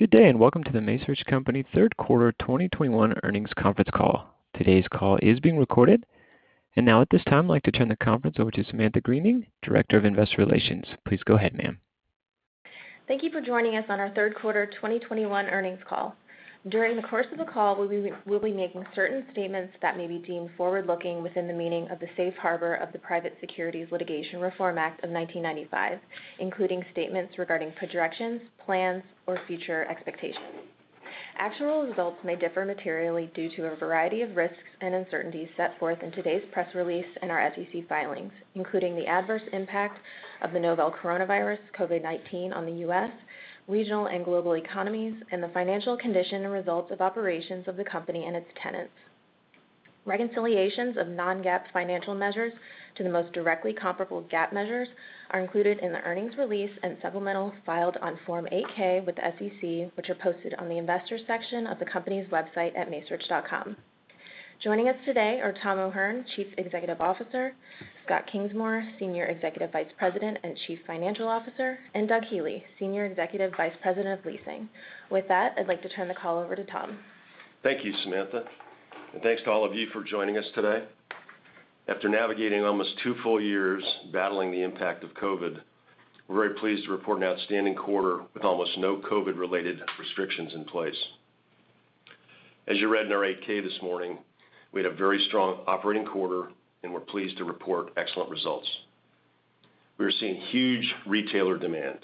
Good day, and welcome to The Macerich Company third quarter 2021 earnings conference call. Today's call is being recorded. Now at this time, I'd like to turn the conference over to Samantha Greening, Director of Investor Relations. Please go ahead, ma'am. Thank you for joining us on our third quarter 2021 earnings call. During the course of the call, we'll be making certain statements that may be deemed forward-looking within the meaning of the Safe Harbor of the Private Securities Litigation Reform Act of 1995, including statements regarding projections, plans, or future expectations. Actual results may differ materially due to a variety of risks and uncertainties set forth in today's press release and our SEC filings, including the adverse impact of the novel coronavirus, COVID-19, on the U.S., regional and global economies, and the financial condition and results of operations of the company and its tenants. Reconciliations of non-GAAP financial measures to the most directly comparable GAAP measures are included in the earnings release and supplementals filed on Form 8-K with the SEC, which are posted on the Investors section of the company's website at macerich.com. Joining us today are Tom O'Hern, Chief Executive Officer, Scott Kingsmore, Senior Executive Vice President and Chief Financial Officer, and Doug Healey, Senior Executive Vice President of Leasing. With that, I'd like to turn the call over to Tom. Thank you, Samantha, and thanks to all of you for joining us today. After navigating almost two full years battling the impact of COVID, we're very pleased to report an outstanding quarter with almost no COVID-related restrictions in place. As you read in our 8-K this morning, we had a very strong operating quarter, and we're pleased to report excellent results. We are seeing huge retailer demand.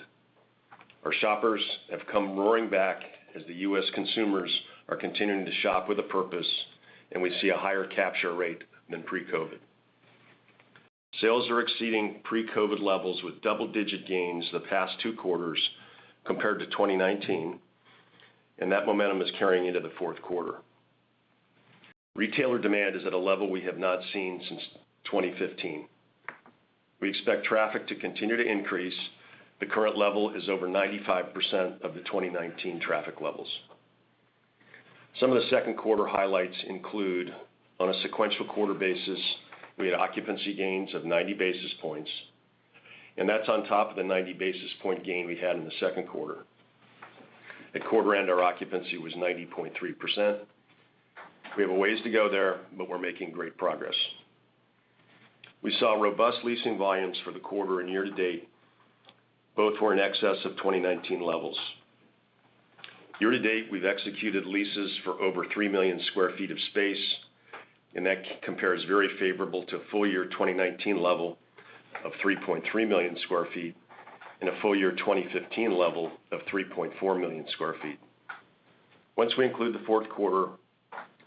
Our shoppers have come roaring back as the U.S. consumers are continuing to shop with a purpose, and we see a higher capture rate than pre-COVID. Sales are exceeding pre-COVID levels with double-digit gains the past two quarters compared to 2019, and that momentum is carrying into the fourth quarter. Retailer demand is at a level we have not seen since 2015. We expect traffic to continue to increase. The current level is over 95% of the 2019 traffic levels. Some of the second quarter highlights include on a sequential quarter basis, we had occupancy gains of 90 basis points, and that's on top of the 90 basis point gain we had in the second quarter. At quarter end, our occupancy was 90.3%. We have a ways to go there, but we're making great progress. We saw robust leasing volumes for the quarter and year-to-date both were in excess of 2019 levels. Year-to-date, we've executed leases for over 3 million sq ft of space, and that compares very favorable to full year 2019 level of 3.3 million sq ft and a full year 2015 level of 3.4 million sq ft. Once we include the fourth quarter,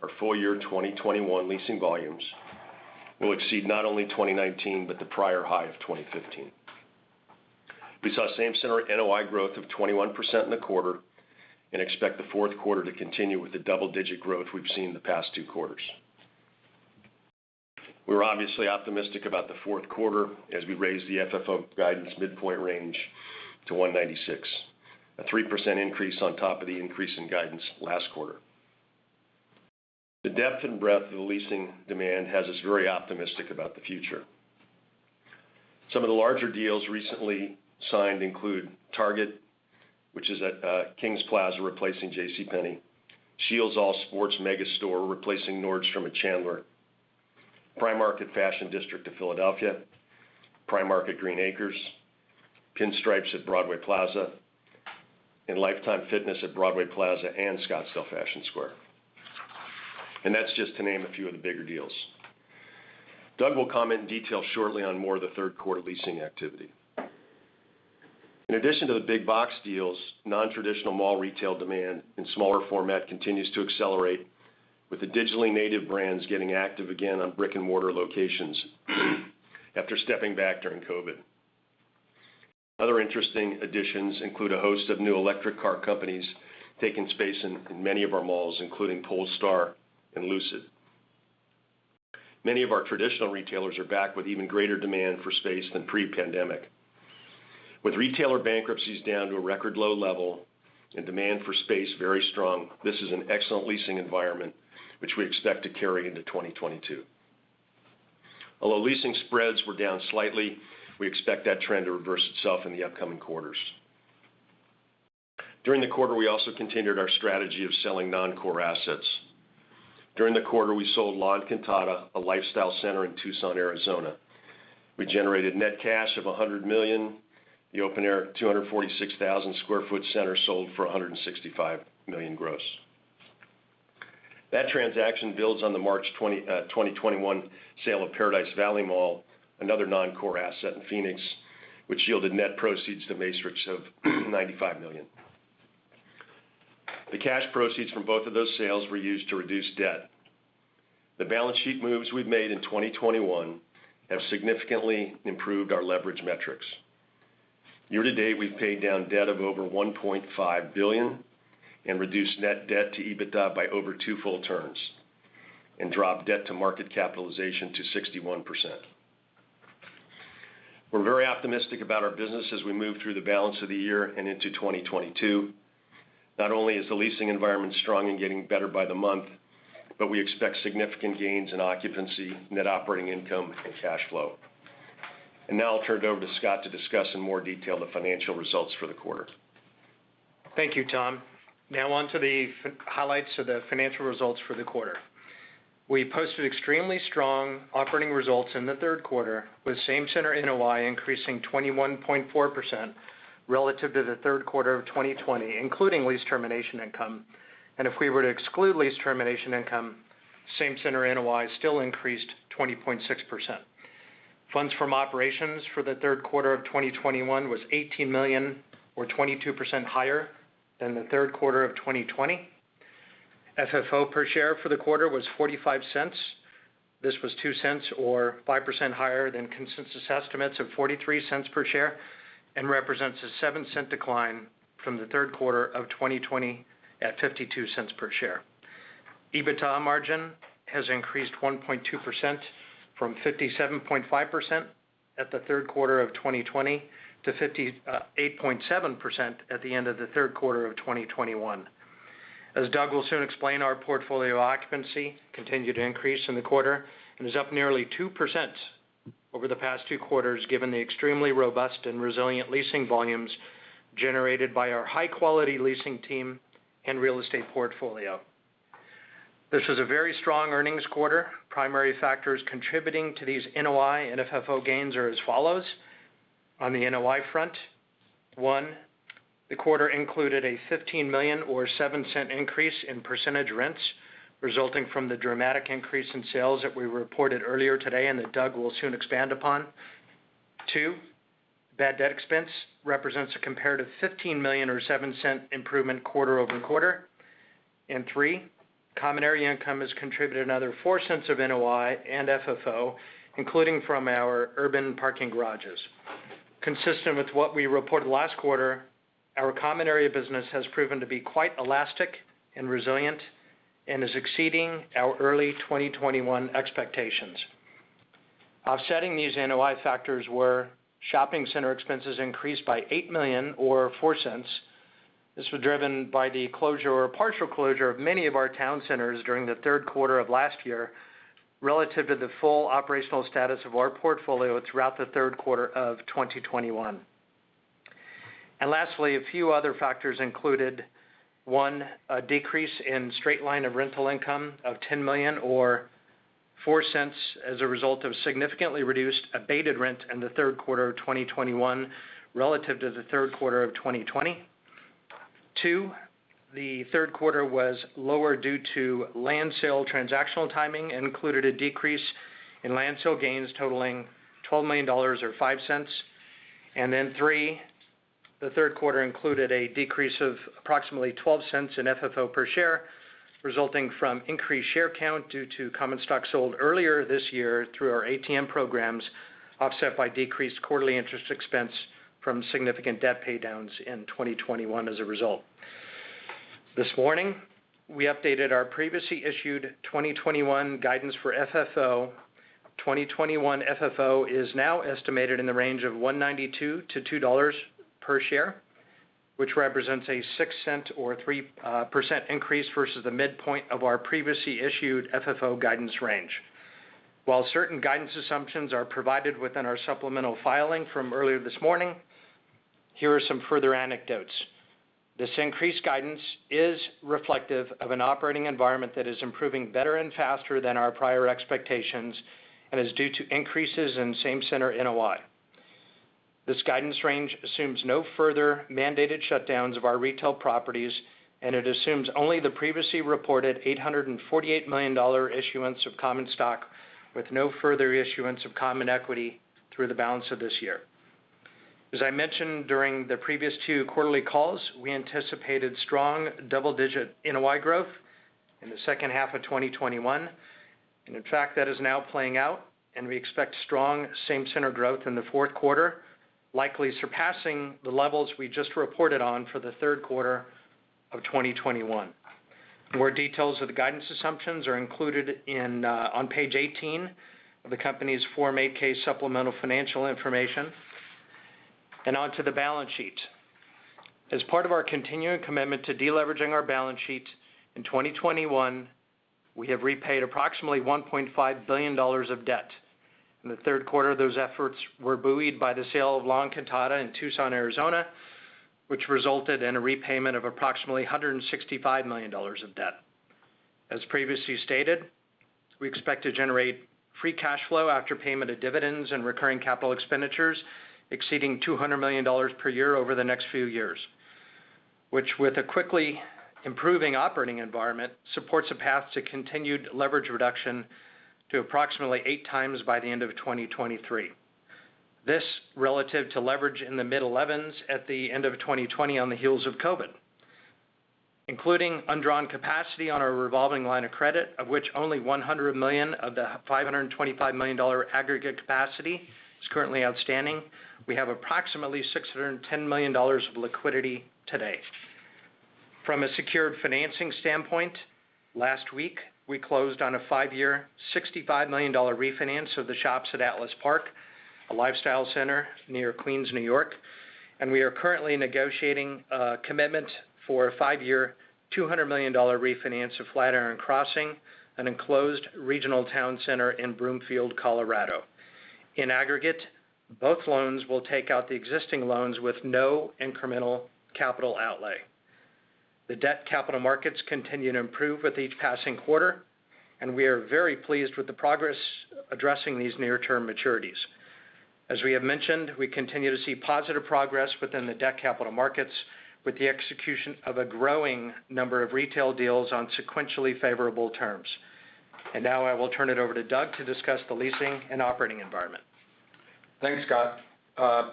our full year 2021 leasing volumes will exceed not only 2019 but the prior high of 2015. We saw same center NOI growth of 21% in the quarter and expect the fourth quarter to continue with the double-digit growth we've seen in the past two quarters. We're obviously optimistic about the fourth quarter as we raise the FFO guidance midpoint range to $1.96, a 3% increase on top of the increase in guidance last quarter. The depth and breadth of the leasing demand has us very optimistic about the future. Some of the larger deals recently signed include Target, which is at Kings Plaza replacing JCPenney, SCHEELS All Sports mega store replacing Nordstrom at Chandler, Primark at Fashion District of Philadelphia, Primark at Green Acres, Pinstripes at Broadway Plaza, and Life Time Fitness at Broadway Plaza and Scottsdale Fashion Square. That's just to name a few of the bigger deals. Doug will comment in detail shortly on more of the third quarter leasing activity. In addition to the big box deals, non-traditional mall retail demand in smaller format continues to accelerate with the digitally native brands getting active again on brick-and-mortar locations after stepping back during COVID. Other interesting additions include a host of new electric car companies taking space in many of our malls, including Polestar and Lucid. Many of our traditional retailers are back with even greater demand for space than pre-pandemic. With retailer bankruptcies down to a record low level and demand for space very strong, this is an excellent leasing environment which we expect to carry into 2022. Although leasing spreads were down slightly, we expect that trend to reverse itself in the upcoming quarters. During the quarter, we also continued our strategy of selling non-core assets. During the quarter, we sold La Encantada, a lifestyle center in Tucson, Arizona. We generated net cash of $100 million. The open-air 246,000 sq ft center sold for $165 million gross. That transaction builds on the March 2021 sale of Paradise Valley Mall, another non-core asset in Phoenix, which yielded net proceeds to Macerich of $95 million. The cash proceeds from both of those sales were used to reduce debt. The balance sheet moves we've made in 2021 have significantly improved our leverage metrics. Year-to-date, we've paid down debt of over $1.5 billion and reduced net debt to EBITDA by over two full turns and dropped debt to market capitalization to 61%. We're very optimistic about our business as we move through the balance of the year and into 2022. Not only is the leasing environment strong and getting better by the month, but we expect significant gains in occupancy, net operating income, and cash flow. Now I'll turn it over to Scott to discuss in more detail the financial results for the quarter. Thank you, Tom. Now on to the highlights of the financial results for the quarter. We posted extremely strong operating results in the third quarter, with same center NOI increasing 21.4% relative to the third quarter of 2020, including lease termination income. If we were to exclude lease termination income, same center NOI still increased 20.6%. Funds from operations for the third quarter of 2021 was $18 million or 22% higher than the third quarter of 2020. FFO per share for the quarter was $0.45. This was $0.02 or 5% higher than consensus estimates of $0.43 per share and represents a $0.07 decline from the third quarter of 2020 at $0.52 per share. EBITDA margin has increased 1.2% from 57.5% at the third quarter of 2020 to 58.7% at the end of the third quarter of 2021. As Doug will soon explain, our portfolio occupancy continued to increase in the quarter and is up nearly 2% over the past two quarters, given the extremely robust and resilient leasing volumes generated by our high-quality leasing team and real estate portfolio. This was a very strong earnings quarter. Primary factors contributing to these NOI and FFO gains are as follows. On the NOI front, one, the quarter included a $15 million or $0.07 increase in percentage rents, resulting from the dramatic increase in sales that we reported earlier today and that Doug will soon expand upon. Two, bad debt expense represents a comparable $15 million or $0.07 improvement quarter-over-quarter. Three, common area income has contributed another $0.04 of NOI and FFO, including from our urban parking garages. Consistent with what we reported last quarter, our common area business has proven to be quite elastic and resilient and is exceeding our early 2021 expectations. Offsetting these NOI factors were shopping center expenses increased by $8 million or $0.04. This was driven by the closure or partial closure of many of our town centers during the third quarter of last year, relative to the full operational status of our portfolio throughout the third quarter of 2021. Lastly, a few other factors included, one, a decrease in straight-line rental income of $10 million or $0.04 as a result of significantly reduced abated rent in the third quarter of 2021 relative to the third quarter of 2020. Two, the third quarter was lower due to land sale transactional timing and included a decrease in land sale gains totaling $12 million or $0.05. Three, the third quarter included a decrease of approximately $0.12 in FFO per share, resulting from increased share count due to common stock sold earlier this year through our ATM programs, offset by decreased quarterly interest expense from significant debt paydowns in 2021 as a result. This morning, we updated our previously issued 2021 guidance for FFO. 2021 FFO is now estimated in the range of $1.92-$2 per share, which represents a $0.06 or 3% increase versus the midpoint of our previously issued FFO guidance range. While certain guidance assumptions are provided within our supplemental filing from earlier this morning, here are some further anecdotes. This increased guidance is reflective of an operating environment that is improving better and faster than our prior expectations and is due to increases in same center NOI. This guidance range assumes no further mandated shutdowns of our retail properties, and it assumes only the previously reported $848 million issuance of common stock with no further issuance of common equity through the balance of this year. As I mentioned during the previous two quarterly calls, we anticipated strong double-digit NOI growth in the second half of 2021. In fact, that is now playing out, and we expect strong same center growth in the fourth quarter, likely surpassing the levels we just reported on for the third quarter of 2021. More details of the guidance assumptions are included in on page 18 of the company's Form 8-K supplemental financial information. Onto the balance sheet. As part of our continuing commitment to deleveraging our balance sheet, in 2021, we have repaid approximately $1.5 billion of debt. In the third quarter, those efforts were buoyed by the sale of La Encantada in Tucson, Arizona, which resulted in a repayment of approximately $165 million of debt. As previously stated, we expect to generate free cash flow after payment of dividends and recurring capital expenditures exceeding $200 million per year over the next few years, which, with a quickly improving operating environment, supports a path to continued leverage reduction to approximately 8x by the end of 2023. This, relative to leverage in the mid-11s at the end of 2020 on the heels of COVID. Including undrawn capacity on our revolving line of credit, of which only $100 million of the $525 million aggregate capacity is currently outstanding, we have approximately $610 million of liquidity today. From a secured financing standpoint, last week we closed on a five-year $65 million refinance of the Shops at Atlas Park, a lifestyle center near Queens, New York. We are currently negotiating a commitment for a five-year, $200 million refinance of Flatiron Crossing, an enclosed regional town center in Broomfield, Colorado. In aggregate, both loans will take out the existing loans with no incremental capital outlay. The debt capital markets continue to improve with each passing quarter, and we are very pleased with the progress addressing these near-term maturities. As we have mentioned, we continue to see positive progress within the debt capital markets with the execution of a growing number of retail deals on sequentially favorable terms. Now I will turn it over to Doug to discuss the leasing and operating environment. Thanks, Scott.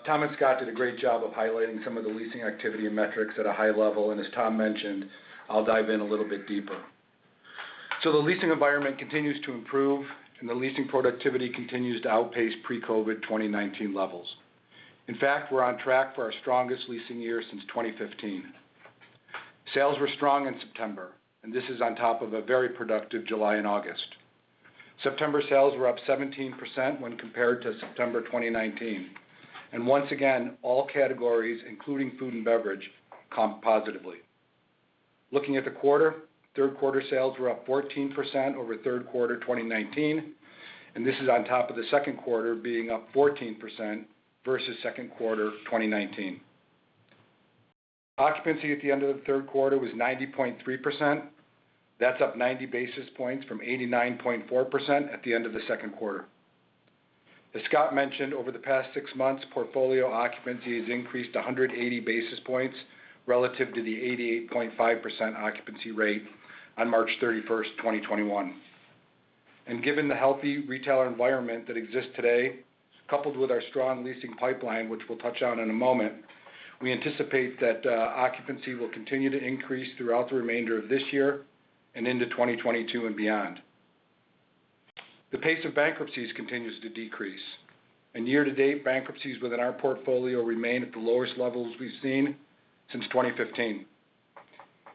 Tom and Scott did a great job of highlighting some of the leasing activity and metrics at a high level, and as Tom mentioned, I'll dive in a little bit deeper. The leasing environment continues to improve, and the leasing productivity continues to outpace pre-COVID 2019 levels. In fact, we're on track for our strongest leasing year since 2015. Sales were strong in September, and this is on top of a very productive July and August. September sales were up 17% when compared to September 2019. Once again, all categories, including food and beverage, comp positively. Looking at the quarter, third quarter sales were up 14% over third quarter 2019, and this is on top of the second quarter being up 14% versus second quarter 2019. Occupancy at the end of the third quarter was 90.3%. That's up 90 basis points from 89.4% at the end of the second quarter. As Scott mentioned, over the past six months, portfolio occupancy has increased 180 basis points relative to the 88.5% occupancy rate on March 31st, 2021. Given the healthy retailer environment that exists today, coupled with our strong leasing pipeline, which we'll touch on in a moment, we anticipate that occupancy will continue to increase throughout the remainder of this year and into 2022 and beyond. The pace of bankruptcies continues to decrease. Year-to-date, bankruptcies within our portfolio remain at the lowest levels we've seen since 2015.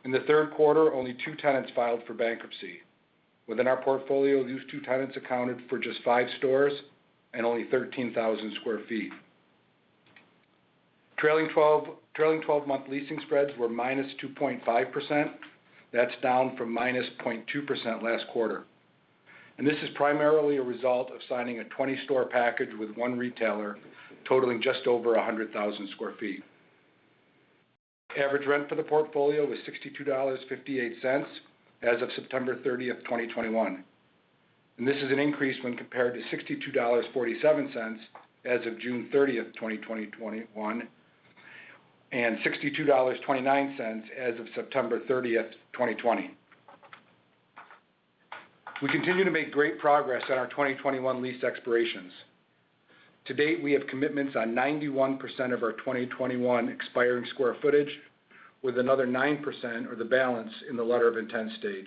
In the third quarter, only two tenants filed for bankruptcy. Within our portfolio, these two tenants accounted for just five stores and only 13,000 sq ft. Trailing 12-month leasing spreads were -2.5%. That's down from -0.2% last quarter. This is primarily a result of signing a 20-store package with one retailer totaling just over 100,000 sq ft. Average rent for the portfolio was $62.58 as of September 30th, 2021. This is an increase when compared to $62.47 as of June 30th, 2021, and $62.29 as of September 30th, 2020. We continue to make great progress on our 2021 lease expirations. To date, we have commitments on 91% of our 2021 expiring square footage, with another 9% or the balance in the letter of intent stage.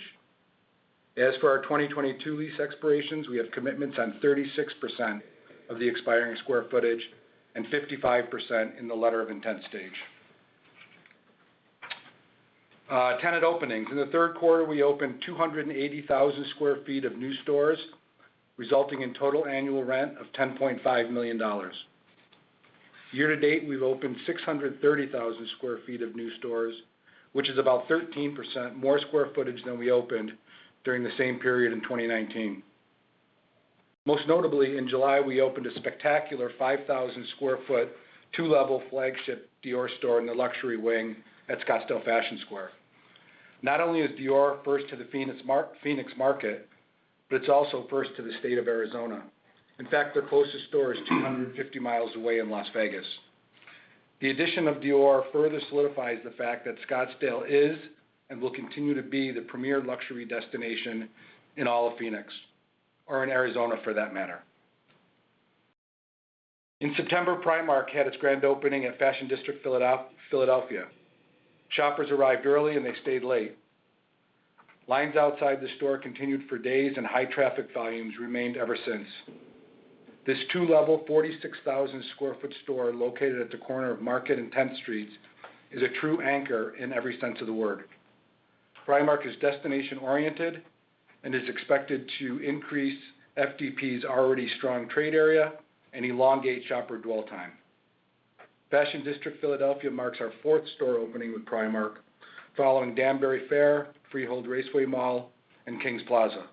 As for our 2022 lease expirations, we have commitments on 36% of the expiring square footage and 55% in the letter of intent stage. Tenant openings. In the third quarter, we opened 280,000 sq ft of new stores, resulting in total annual rent of $10.5 million. Year-to-date, we've opened 630,000 sq ft of new stores, which is about 13% more square footage than we opened during the same period in 2019. Most notably, in July, we opened a spectacular 5,000 sq ft, two-level flagship Dior store in the luxury wing at Scottsdale Fashion Square. Not only is Dior first to the Phoenix market, but it's also first to the state of Arizona. In fact, their closest store is 250 miles away in Las Vegas. The addition of Dior further solidifies the fact that Scottsdale is and will continue to be the premier luxury destination in all of Phoenix or in Arizona for that matter. In September, Primark had its grand opening at Fashion District Philadelphia. Shoppers arrived early, and they stayed late. Lines outside the store continued for days, and high traffic volumes remained ever since. This two-level, 46,000 sq ft store located at the corner of Market and 10th Streets is a true anchor in every sense of the word. Primark is destination-oriented and is expected to increase FDP's already strong trade area and elongate shopper dwell time. Fashion District Philadelphia marks our fourth store opening with Primark, following Danbury Fair, Freehold Raceway Mall, and Kings Plaza.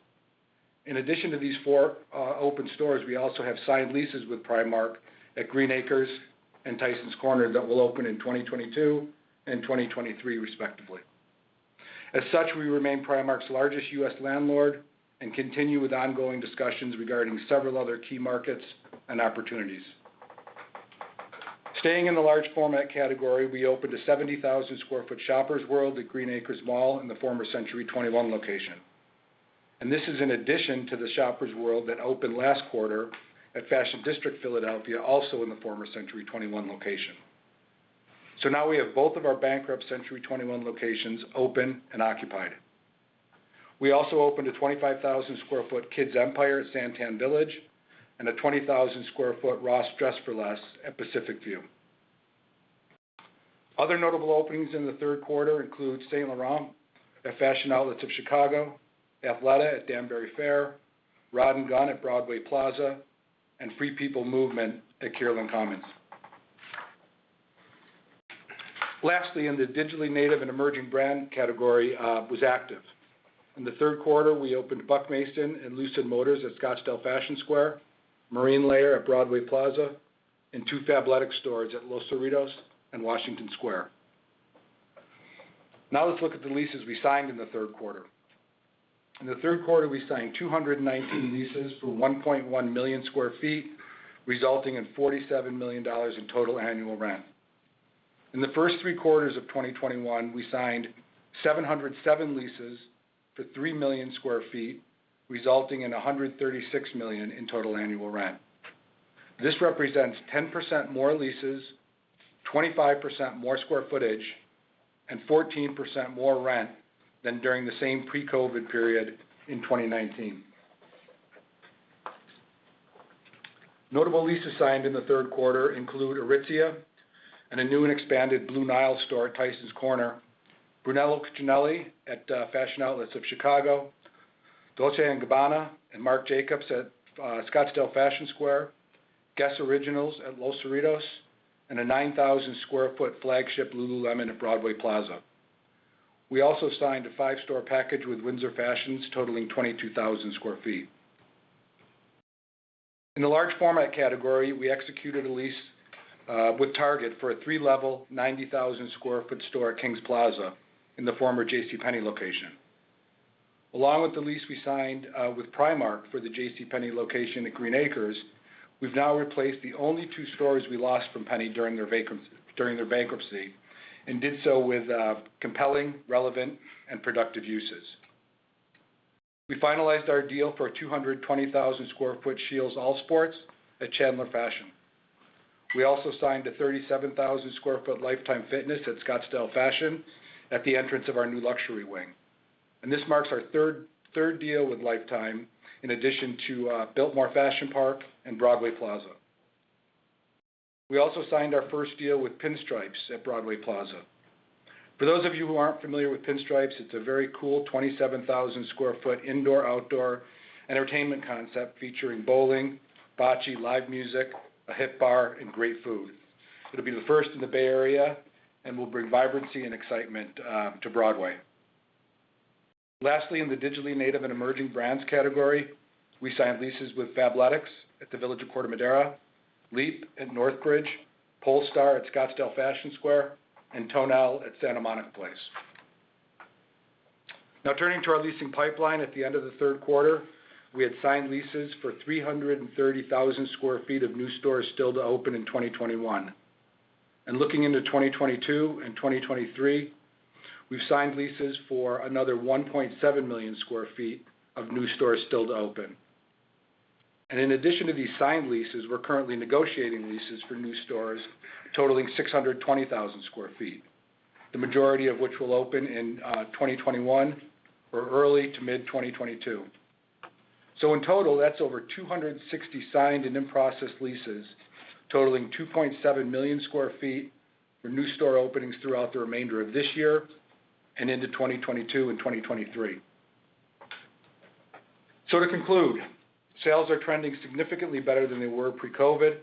In addition to these four open stores, we also have signed leases with Primark at Green Acres and Tysons Corner that will open in 2022 and 2023 respectively. As such, we remain Primark's largest U.S. landlord and continue with ongoing discussions regarding several other key markets and opportunities. Staying in the large format category, we opened a 70,000 sq ft Shoppers World at Green Acres Mall in the former Century 21 location. This is in addition to the Shoppers World that opened last quarter at Fashion District Philadelphia, also in the former Century 21 location. Now we have both of our bankrupt Century 21 locations open and occupied. We also opened a 25,000 sq ft Kids Empire at SanTan Village and a 20,000 sq ft Ross Dress for Less at Pacific View. Other notable openings in the third quarter include Saint Laurent at Fashion Outlets of Chicago, Athleta at Danbury Fair, Rodd & Gunn at Broadway Plaza, and Free People Movement at Kierland Commons. Lastly, the digitally native and emerging brand category was active. In the third quarter, we opened Buck Mason and Lucid Motors at Scottsdale Fashion Square, Marine Layer at Broadway Plaza, and two Fabletics stores at Los Cerritos and Washington Square. Now let's look at the leases we signed in the third quarter. In the third quarter, we signed 219 leases for 1.1 million sq ft, resulting in $47 million in total annual rent. In the first three quarters of 2021, we signed 707 leases for 3 million sq ft, resulting in $136 million in total annual rent. This represents 10% more leases, 25% more square footage, and 14% more rent than during the same pre-COVID period in 2019. Notable leases signed in the third quarter include Aritzia and a new and expanded Blue Nile store at Tysons Corner, Brunello Cucinelli at Fashion Outlets of Chicago, Dolce & Gabbana and Marc Jacobs at Scottsdale Fashion Square, GUESS Originals at Los Cerritos, and a 9,000 sq ft flagship lululemon at Broadway Plaza. We also signed a five-store package with Windsor Fashions totaling 22,000 sq ft. In the large format category, we executed a lease with Target for a three-level, 90,000 sq ft store at Kings Plaza in the former JCPenney location. Along with the lease we signed with Primark for the JCPenney location at Green Acres, we've now replaced the only two stores we lost from JCPenney during their bankruptcy, and did so with compelling, relevant, and productive uses. We finalized our deal for a 220,000 sq ft SCHEELS All Sports at Chandler Fashion. We also signed a 37,000 sq ft Life Time Fitness at Scottsdale Fashion at the entrance of our new luxury wing. This marks our third deal with Life Time, in addition to Biltmore Fashion Park and Broadway Plaza. We also signed our first deal with Pinstripes at Broadway Plaza. For those of you who aren't familiar with Pinstripes, it's a very cool 27,000 sq ft indoor-outdoor entertainment concept featuring bowling, bocce, live music, a hip bar, and great food. It'll be the first in the Bay Area and will bring vibrancy and excitement to Broadway. Lastly, in the digitally native and emerging brands category, we signed leases with Fabletics at the Village of Corte Madera, LEAP at Northbridge, Polestar at Scottsdale Fashion Square, and Towne at Santa Monica Place. Now turning to our leasing pipeline at the end of the third quarter. We had signed leases for 330,000 sq ft of new stores still to open in 2021. Looking into 2022 and 2023, we've signed leases for another 1.7 million sq ft of new stores still to open. In addition to these signed leases, we're currently negotiating leases for new stores totaling 620,000 sq ft, the majority of which will open in 2021 or early to mid 2022. In total, that's over 260 signed and in-process leases totaling 2.7 million sq ft for new store openings throughout the remainder of this year and into 2022 and 2023. To conclude, sales are trending significantly better than they were pre-COVID.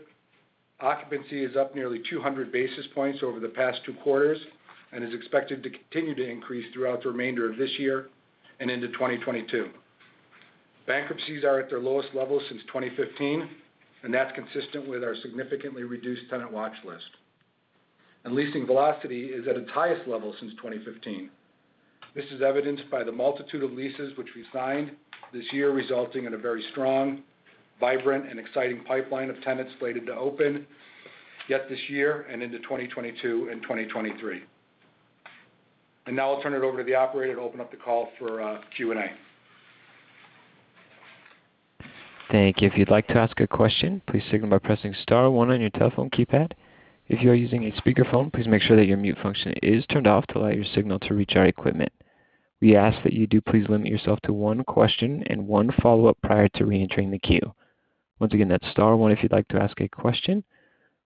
Occupancy is up nearly 200 basis points over the past two quarters and is expected to continue to increase throughout the remainder of this year and into 2022. Bankruptcies are at their lowest level since 2015, and that's consistent with our significantly reduced tenant watch list. Leasing velocity is at its highest level since 2015. This is evidenced by the multitude of leases which we signed this year, resulting in a very strong, vibrant, and exciting pipeline of tenants slated to open yet this year and into 2022 and 2023. Now I'll turn it over to the operator to open up the call for Q&A. Thank you. If you'd like to ask a question, please signal by pressing star one on your telephone keypad. If you are using a speakerphone, please make sure that your mute function is turned off to allow your signal to reach our equipment. We ask that you do please limit yourself to one question and one follow-up prior to reentering the queue. Once again, that's star one if you'd like to ask a question.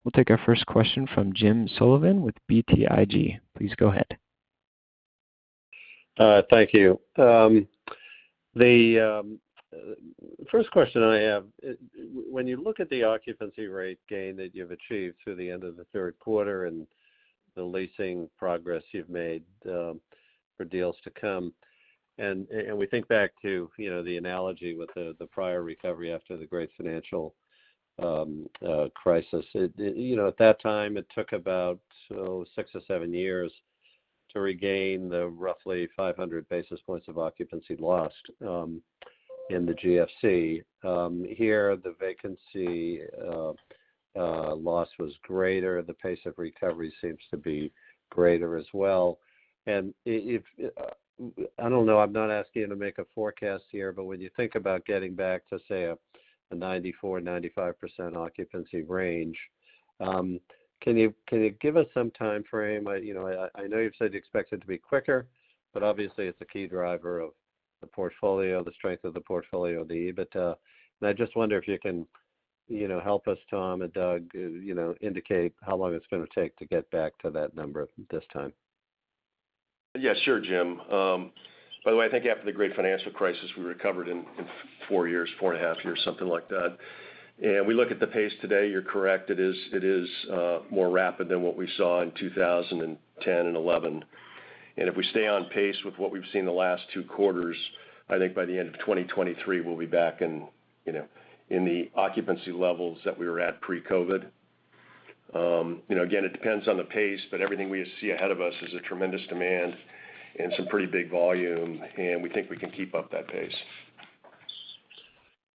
We'll take our first question from Jim Sullivan with BTIG. Please go ahead. Thank you. The first question I have, when you look at the occupancy rate gain that you've achieved through the end of the third quarter and the leasing progress you've made, for deals to come, and we think back to, you know, the analogy with the prior recovery after the great financial crisis. You know, at that time, it took about six or seven years to regain the roughly 500 basis points of occupancy lost in the GFC. Here, the vacancy loss was greater. The pace of recovery seems to be greater as well. I don't know, I'm not asking you to make a forecast here, but when you think about getting back to, say, a 94%-95% occupancy range, can you give us some timeframe? You know, I know you've said you expect it to be quicker, but obviously it's a key driver of the portfolio, the strength of the portfolio. I just wonder if you can, you know, help us, Tom and Doug, you know, indicate how long it's gonna take to get back to that number this time. Yeah, sure, Jim. By the way, I think after the great financial crisis, we recovered in four years, four and a half years, something like that. We look at the pace today, you're correct, it is more rapid than what we saw in 2010 and 2011. If we stay on pace with what we've seen in the last two quarters, I think by the end of 2023, we'll be back in, you know, the occupancy levels that we were at pre-COVID. You know, again, it depends on the pace, but everything we see ahead of us is a tremendous demand and some pretty big volume, and we think we can keep up that pace.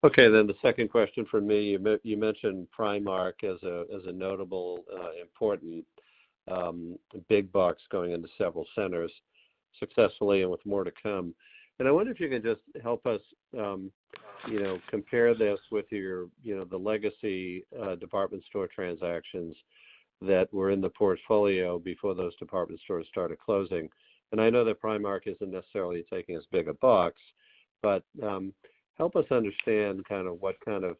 Okay. The second question from me, you mentioned Primark as a notable, important, big box going into several centers successfully and with more to come. I wonder if you could just help us, you know, compare this with your, you know, the legacy, department store transactions that were in the portfolio before those department stores started closing. I know that Primark isn't necessarily taking as big a box, but, help us understand kind of what kind of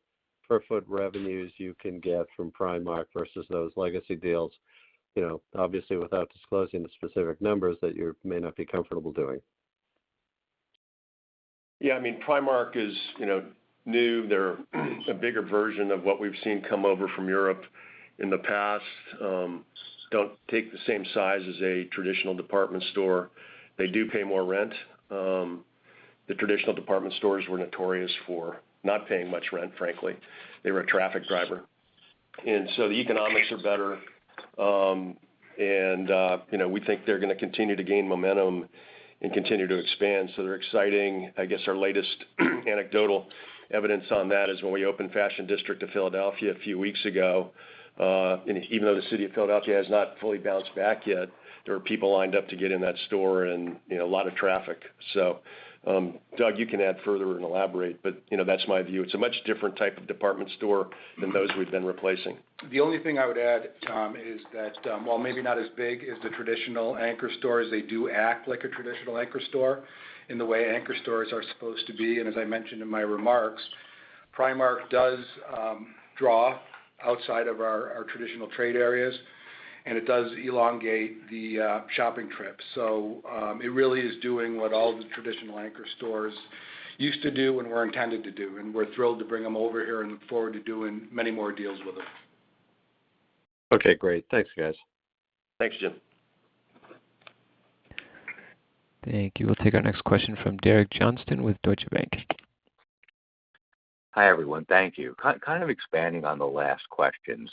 per foot revenues you can get from Primark versus those legacy deals, you know, obviously without disclosing the specific numbers that you may not be comfortable doing. Yeah, I mean, Primark is, you know, new. They're a bigger version of what we've seen come over from Europe in the past. Don't take the same size as a traditional department store. They do pay more rent. The traditional department stores were notorious for not paying much rent, frankly. They were a traffic driver. The economics are better. You know, we think they're gonna continue to gain momentum and continue to expand. They're exciting. I guess our latest anecdotal evidence on that is when we opened Fashion District of Philadelphia a few weeks ago, and even though the city of Philadelphia has not fully bounced back yet, there are people lined up to get in that store and, you know, a lot of traffic. Doug, you can add further and elaborate, but, you know, that's my view. It's a much different type of department store than those we've been replacing. The only thing I would add, Tom, is that while maybe not as big as the traditional anchor stores, they do act like a traditional anchor store in the way anchor stores are supposed to be. As I mentioned in my remarks, Primark does draw outside of our traditional trade areas, and it does elongate the shopping trip. It really is doing what all the traditional anchor stores used to do and were intended to do. We're thrilled to bring them over here and look forward to doing many more deals with them. Okay, great. Thanks, guys. Thanks, Jim. Thank you. We'll take our next question from Derek Johnston with Deutsche Bank. Hi, everyone. Thank you. Kind of expanding on the last question.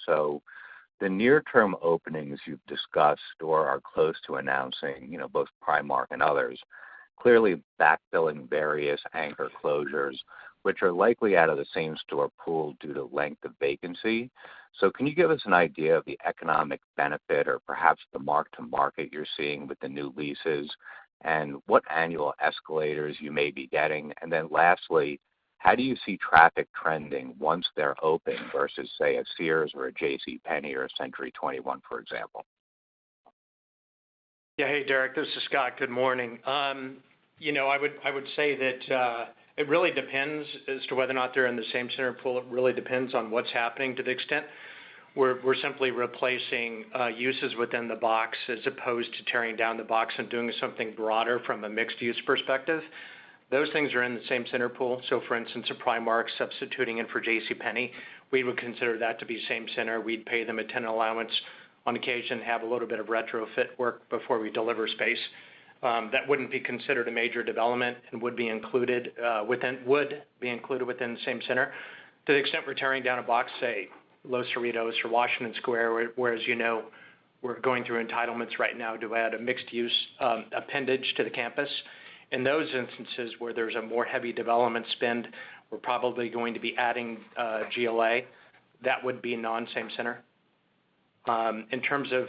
The near term openings you've discussed or are close to announcing, you know, both Primark and others, clearly backfilling various anchor closures, which are likely out of the same store pool due to length of vacancy. Can you give us an idea of the economic benefit or perhaps the mark to market you're seeing with the new leases and what annual escalators you may be getting? Then lastly, how do you see traffic trending once they're open versus, say, a Sears or a JCPenney or a Century 21, for example? Yeah. Hey, Derek, this is Scott. Good morning. You know, I would say that it really depends as to whether or not they're in the same center pool. It really depends on what's happening to the extent. We're simply replacing uses within the box as opposed to tearing down the box and doing something broader from a mixed use perspective. Those things are in the same center pool. For instance, a Primark substituting in for JCPenney, we would consider that to be same center. We'd pay them a tenant allowance on occasion, have a little bit of retrofit work before we deliver space. That wouldn't be considered a major development and would be included within the same center. To the extent we're tearing down a box, say, Los Cerritos or Washington Square, whereas, you know, we're going through entitlements right now to add a mixed use appendage to the campus. In those instances where there's a more heavy development spend, we're probably going to be adding GLA. That would be non-same center. In terms of,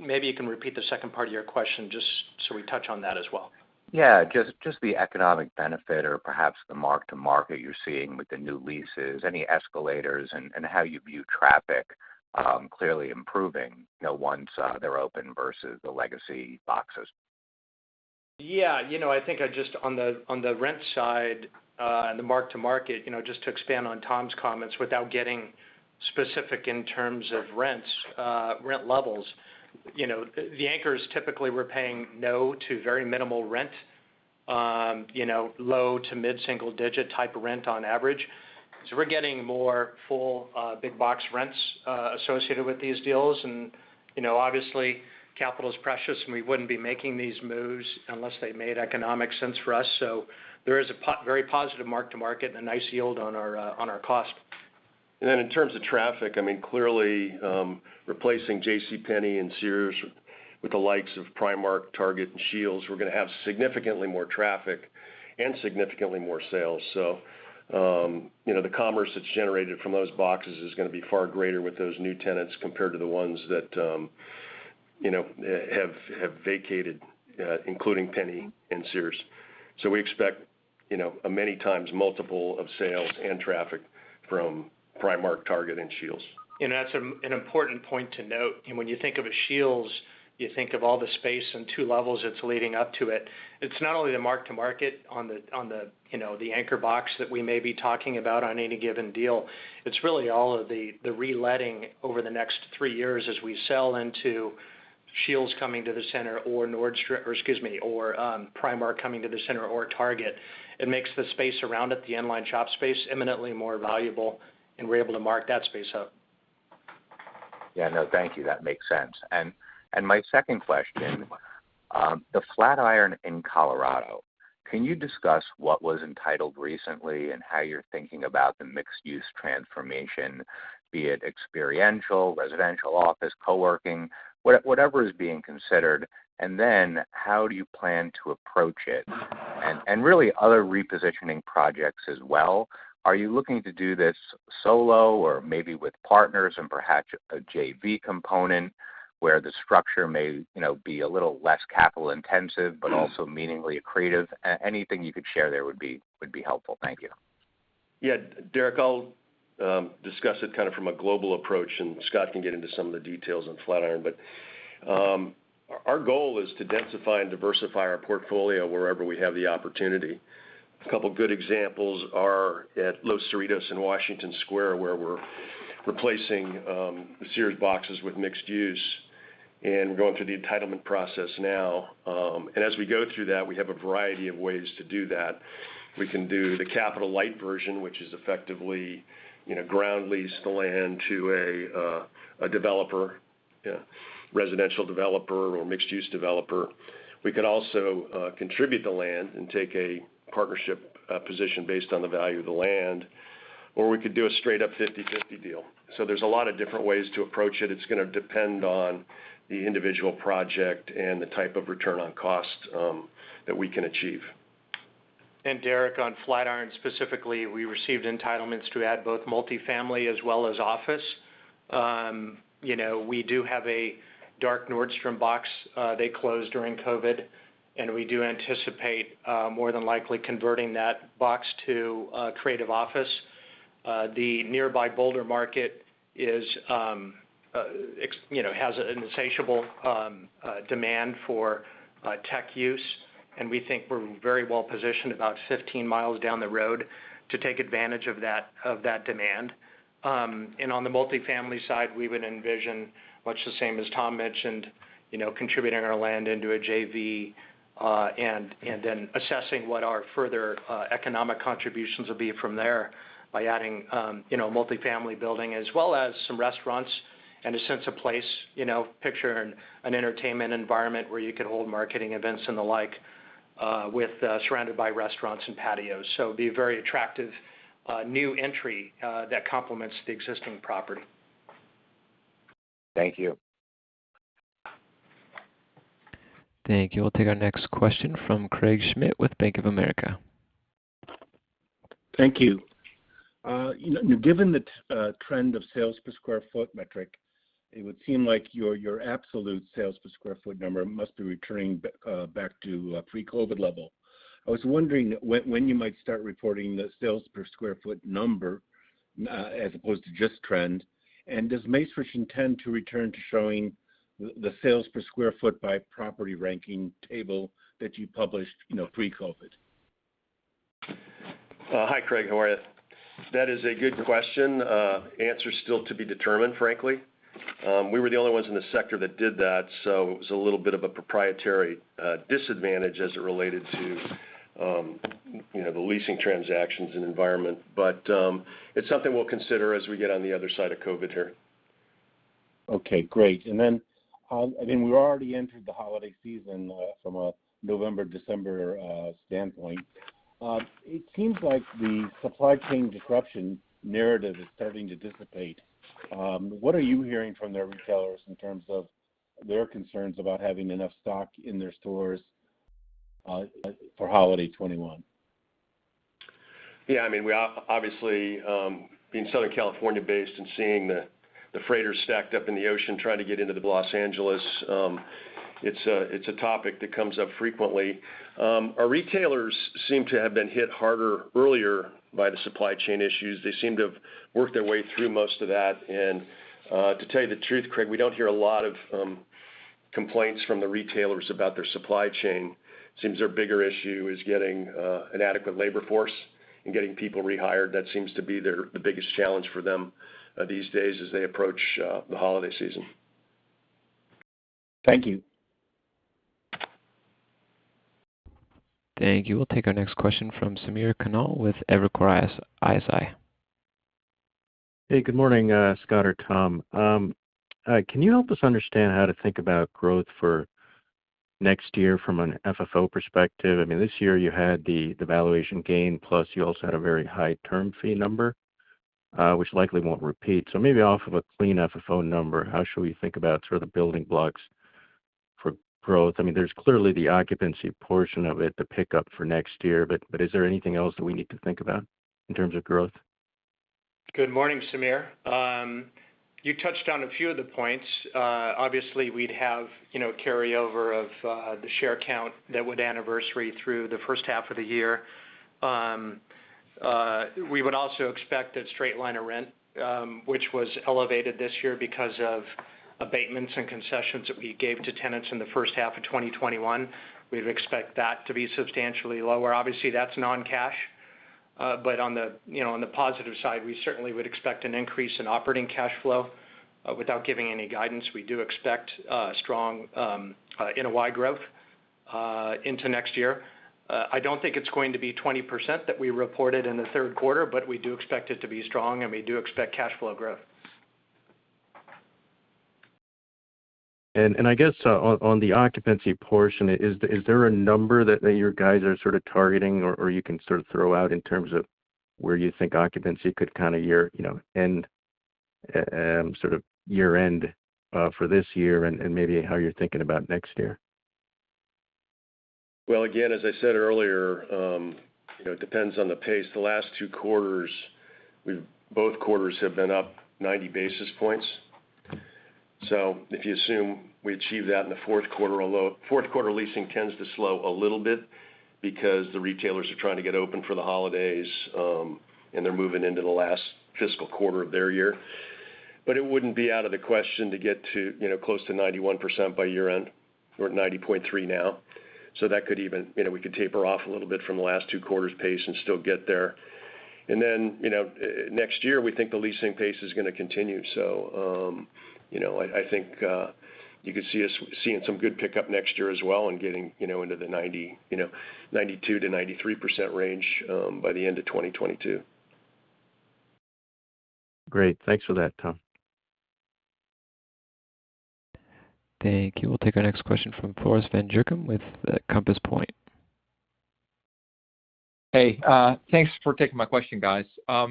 maybe you can repeat the second part of your question just so we touch on that as well. Yeah, just the economic benefit or perhaps the mark to market you're seeing with the new leases, any escalators and how you view traffic clearly improving, you know, once they're open versus the legacy boxes. Yeah. You know, I think just on the rent side, and the mark to market, you know, just to expand on Tom's comments without getting specific in terms of rents, rent levels. You know, the anchors typically were paying no to very minimal rent, you know, low- to mid-single-digit type of rent on average. We're getting more full big box rents associated with these deals. You know, obviously, capital is precious, and we wouldn't be making these moves unless they made economic sense for us. There is a very positive mark to market and a nice yield on our cost. In terms of traffic, I mean, clearly, replacing JCPenney and Sears with the likes of Primark, Target, and SCHEELS, we're gonna have significantly more traffic and significantly more sales. You know, the commerce that's generated from those boxes is gonna be far greater with those new tenants compared to the ones that, you know, have vacated, including JCPenney and Sears. We expect, you know, a many times multiple of sales and traffic from Primark, Target, and SCHEELS. That's an important point to note. When you think of a SCHEELS, you think of all the space and two levels it's leading up to it. It's not only the mark to market on the, you know, the anchor box that we may be talking about on any given deal. It's really all of the reletting over the next three years as we sell into SCHEELS coming to the center or Nordstrom, or excuse me, or Primark coming to the center or Target, it makes the space around it, the inline shop space, eminently more valuable, and we're able to mark that space up. Yeah, no, thank you. That makes sense. My second question, the Flatiron in Colorado, can you discuss what was entitled recently and how you're thinking about the mixed use transformation, be it experiential, residential office, co-working, whatever is being considered, and then how do you plan to approach it? Really other repositioning projects as well, are you looking to do this solo or maybe with partners and perhaps a JV component where the structure may, you know, be a little less capital intensive, but also meaningfully accretive. Anything you could share there would be helpful. Thank you. Yeah, Derek, I'll discuss it kind of from a global approach, and Scott can get into some of the details on Flatiron. Our goal is to densify and diversify our portfolio wherever we have the opportunity. A couple good examples are at Los Cerritos and Washington Square, where we're replacing Sears boxes with mixed use and going through the entitlement process now. As we go through that, we have a variety of ways to do that. We can do the capital light version, which is effectively, you know, ground lease the land to a developer, a residential developer or a mixed use developer. We could also contribute the land and take a partnership position based on the value of the land, or we could do a straight up 50/50 deal. There's a lot of different ways to approach it. It's gonna depend on the individual project and the type of return on cost that we can achieve. Derek, on Flatiron specifically, we received entitlements to add both multi-family as well as office. You know, we do have a dark Nordstrom box. They closed during COVID, and we do anticipate more than likely converting that box to a creative office. The nearby Boulder market you know has an insatiable demand for tech use, and we think we're very well positioned about 15 miles down the road to take advantage of that demand. On the multi-family side, we would envision much the same as Tom mentioned, you know, contributing our land into a JV and then assessing what our further economic contributions will be from there by adding you know a multi-family building as well as some restaurants and a sense of place. You know, picture an entertainment environment where you could hold marketing events and the like, surrounded by restaurants and patios. It'd be a very attractive new entry that complements the existing property. Thank you. Thank you. We'll take our next question from Craig Schmidt with Bank of America. Thank you. Given the trend of sales per square foot metric, it would seem like your absolute sales per square foot number must be returning back to a pre-COVID level. I was wondering when you might start reporting the sales per square foot number, as opposed to just trend, and does Macerich intend to return to showing the sales per square foot by property ranking table that you published, you know, pre-COVID? Hi, Craig. How are you? That is a good question. Answer is still to be determined, frankly. We were the only ones in the sector that did that, so it was a little bit of a proprietary disadvantage as it related to, you know, the leasing transactions and environment. It's something we'll consider as we get on the other side of COVID here. Okay, great. I mean, we already entered the holiday season from a November, December standpoint. It seems like the supply chain disruption narrative is starting to dissipate. What are you hearing from the retailers in terms of their concerns about having enough stock in their stores for holiday 2021? Yeah, I mean, we obviously being Southern California based and seeing the freighters stacked up in the ocean trying to get into the Los Angeles, it's a topic that comes up frequently. Our retailers seem to have been hit harder earlier by the supply chain issues. They seem to have worked their way through most of that. To tell you the truth, Craig, we don't hear a lot of complaints from the retailers about their supply chain. Seems their bigger issue is getting an adequate labor force and getting people rehired. That seems to be their biggest challenge for them these days as they approach the holiday season. Thank you. Thank you. We'll take our next question from Samir Khanal with Evercore ISI. Hey, good morning, Scott or Tom. Can you help us understand how to think about growth for next year from an FFO perspective? I mean, this year you had the valuation gain, plus you also had a very high term fee number, which likely won't repeat. Maybe off of a clean FFO number, how should we think about sort of building blocks for growth? I mean, there's clearly the occupancy portion of it to pick up for next year, but is there anything else that we need to think about in terms of growth? Good morning, Samir. You touched on a few of the points. Obviously we'd have, you know, carryover of, the share count that would anniversary through the first half of the year. We would also expect that straight line of rent, which was elevated this year because of abatements and concessions that we gave to tenants in the first half of 2021, we'd expect that to be substantially lower. Obviously, that's non-cash. On the, you know, on the positive side, we certainly would expect an increase in operating cash flow. Without giving any guidance, we do expect strong NOI growth into next year. I don't think it's going to be 20% that we reported in the third quarter, but we do expect it to be strong, and we do expect cash flow growth. I guess on the occupancy portion, is there a number that then you guys are sort of targeting or you can sort of throw out in terms of where you think occupancy could kind of year, you know, and sort of year-end for this year and maybe how you're thinking about next year? Well, again, as I said earlier, you know, it depends on the pace. The last two quarters, both quarters have been up 90 basis points. If you assume we achieve that in the fourth quarter, although fourth quarter leasing tends to slow a little bit because the retailers are trying to get open for the holidays, and they're moving into the last fiscal quarter of their year. It wouldn't be out of the question to get to, you know, close to 91% by year-end. We're at 90.3% now. So that could even you know, we could taper off a little bit from the last two quarters pace and still get there. Then, you know, next year, we think the leasing pace is gonna continue. You know, I think you could see us seeing some good pickup next year as well and getting, you know, into the 92%-93% range by the end of 2022. Great. Thanks for that, Tom. Thank you. We'll take our next question from Floris van Dijkum with Compass Point. Hey, thanks for taking my question, guys. I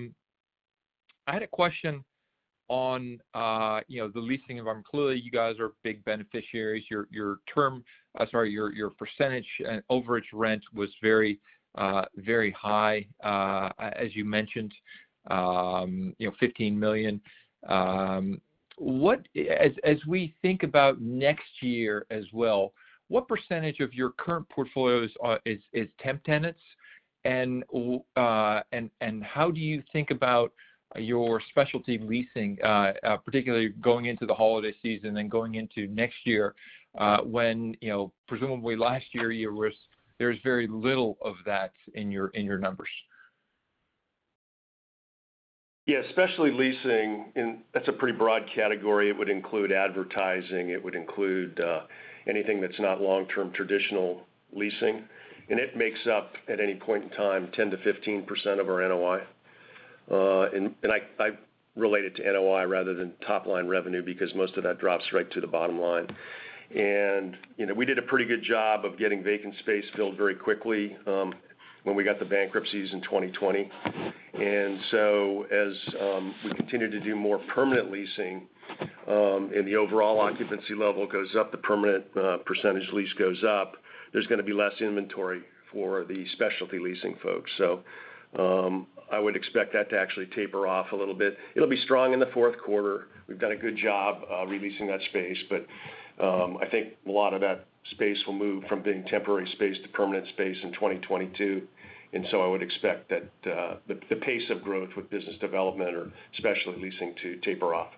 had a question on, you know, the leasing. Clearly, you guys are big beneficiaries. Your term, sorry, your percentage and overage rent was very high, as you mentioned, you know, $15 million. What, as we think about next year as well, what percentage of your current portfolios is temp tenants, and how do you think about your specialty leasing, particularly going into the holiday season and going into next year, when, you know, presumably last year, there's very little of that in your numbers. Yeah, specialty leasing—that's a pretty broad category. It would include advertising. It would include anything that's not long-term traditional leasing. It makes up, at any point in time, 10%-15% of our NOI. I relate it to NOI rather than top-line revenue because most of that drops right to the bottom line. You know, we did a pretty good job of getting vacant space filled very quickly when we got the bankruptcies in 2020. As we continue to do more permanent leasing and the overall occupancy level goes up, the permanent percentage lease goes up, there's gonna be less inventory for the specialty leasing folks. I would expect that to actually taper off a little bit. It'll be strong in the fourth quarter. We've done a good job re-leasing that space. I think a lot of that space will move from being temporary space to permanent space in 2022. I would expect that the pace of growth with business development or specialty leasing to taper off.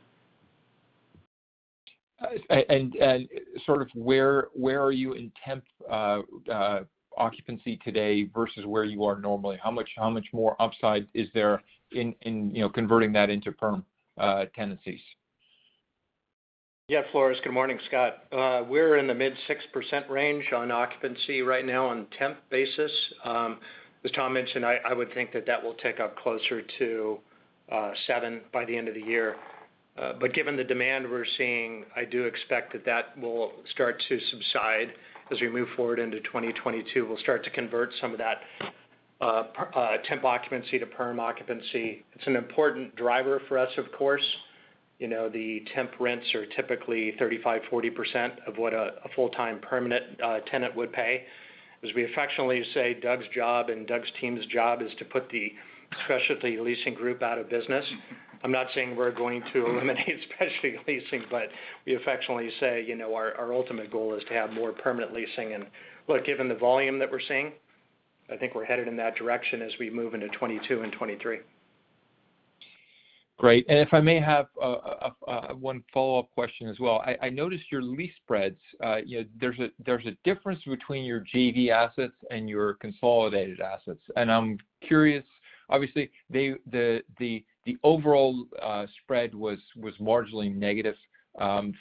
Sort of where are you in temp occupancy today versus where you are normally? How much more upside is there in you know converting that into perm tenancies? Yeah, Floris. Good morning, Scott. We're in the mid-6% range on occupancy right now on temp basis. As Tom mentioned, I would think that will tick up closer to 7% by the end of the year. Given the demand we're seeing, I do expect that will start to subside as we move forward into 2022. We'll start to convert some of that temp occupancy to perm occupancy. It's an important driver for us, of course. You know, the temp rents are typically 35%-40% of what a full-time permanent tenant would pay. As we affectionately say, Doug's job and Doug's team's job is to put the specialty leasing group out of business. I'm not saying we're going to eliminate specialty leasing, but we affectionately say, you know, our ultimate goal is to have more permanent leasing. Look, given the volume that we're seeing, I think we're headed in that direction as we move into 2022 and 2023. Great. If I may have one follow-up question as well. I noticed your lease spreads. There's a difference between your JV assets and your consolidated assets. I'm curious, obviously, the overall spread was marginally negative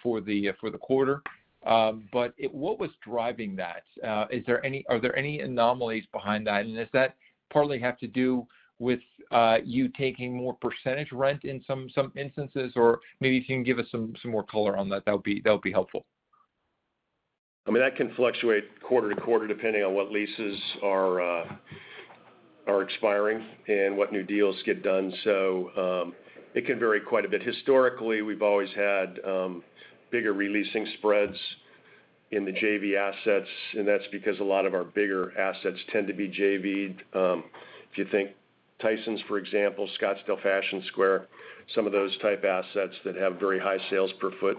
for the quarter. What was driving that? Are there any anomalies behind that? Does that partly have to do with you taking more percentage rent in some instances? Or maybe you can give us some more color on that. That'll be helpful. I mean, that can fluctuate quarter to quarter depending on what leases are expiring and what new deals get done. It can vary quite a bit. Historically, we've always had bigger re-leasing spreads in the JV assets, and that's because a lot of our bigger assets tend to be JV'd. If you think of Tysons, for example, Scottsdale Fashion Square, some of those type assets that have very high sales per foot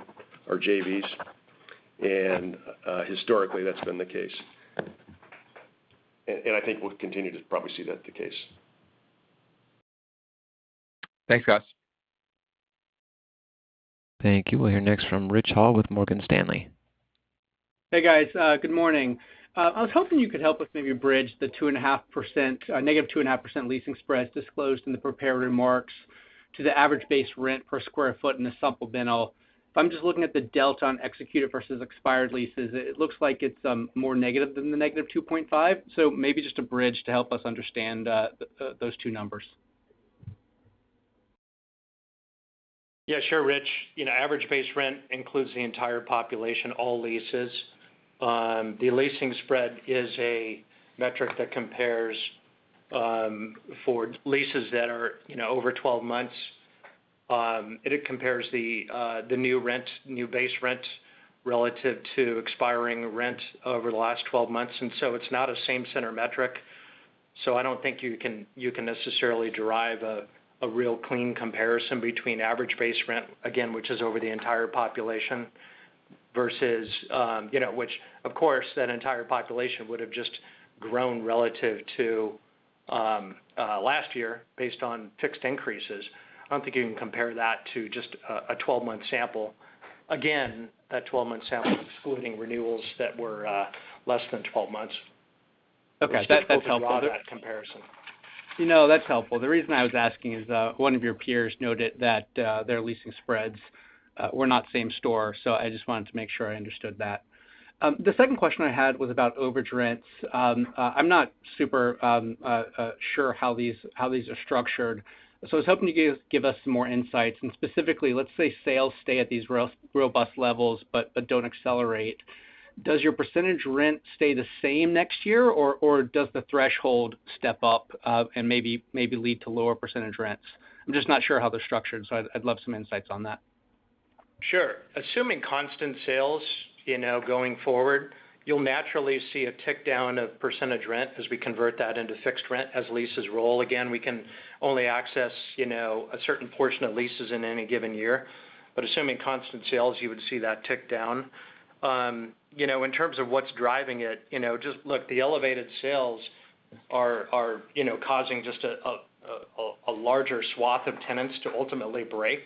are JVs. Historically, that's been the case. I think we'll continue to probably see that as the case. Thanks, guys. Thank you. We'll hear next from Rich Hill with Morgan Stanley. Hey, guys. Good morning. I was hoping you could help us maybe bridge the -2.5% leasing spreads disclosed in the prepared remarks to the average base rent per square foot in the supplemental. If I'm just looking at the delta on executed versus expired leases, it looks like it's more negative than the -2.5%. Maybe just a bridge to help us understand those two numbers. Yeah, sure, Rich. You know, average base rent includes the entire population, all leases. The leasing spread is a metric that compares, for leases that are, you know, over 12 months. It compares the new rent, new base rent relative to expiring rent over the last 12 months, and so it's not a same center metric. I don't think you can necessarily derive a real clean comparison between average base rent, again, which is over the entire population versus, you know, which of course, that entire population would have just grown relative to last year based on fixed increases. I don't think you can compare that to just a 12-month sample. Again, that 12-month sample excluding renewals that were less than 12 months. Okay. That, that's helpful. Draw that comparison. You know, that's helpful. The reason I was asking is, one of your peers noted that, their leasing spreads were not same-store. I just wanted to make sure I understood that. The second question I had was about overage rents. I'm not super sure how these are structured. I was hoping you could give us some more insights. Specifically, let's say sales stay at these robust levels, but don't accelerate. Does your percentage rent stay the same next year, or does the threshold step up, and maybe lead to lower percentage rents? I'm just not sure how they're structured, so I'd love some insights on that. Sure. Assuming constant sales, you know, going forward, you'll naturally see a tick down of percentage rent as we convert that into fixed rent as leases roll. Again, we can only access, you know, a certain portion of leases in any given year. Assuming constant sales, you would see that tick down. You know, in terms of what's driving it, you know, just look, the elevated sales are, you know, causing just a larger swath of tenants to ultimately break.